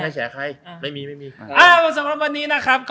ใช่มันแบบนี้นะครับ